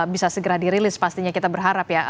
bisa segera dirilis pastinya kita berharap ya